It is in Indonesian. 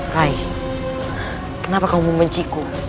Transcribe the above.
rai kenapa kamu membenciku